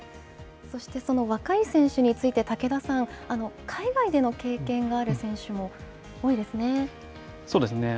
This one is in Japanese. そしてその若い選手について、武田さん、海外での経験がある選そうですね。